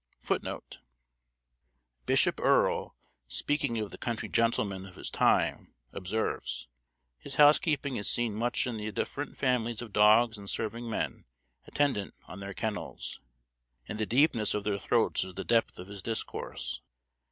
Bishop Earle, speaking of the country gentleman of his time, observes, "His housekeeping is seen much in the different families of dogs and serving men attendant on their kennels; and the deepness of their throats is the depth of his discourse.